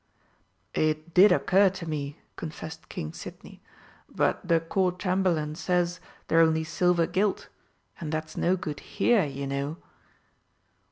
"It did occur to me," confessed King Sidney, "but the Court Chamberlain says they're only silver gilt, and that's no good here, you know."